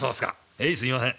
はいすいません。